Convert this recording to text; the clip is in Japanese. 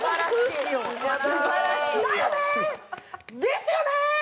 「ですよねー！」